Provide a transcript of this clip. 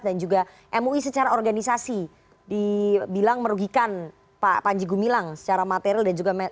dan juga mui secara organisasi dibilang merugikan pak panji gumilang secara material dan juga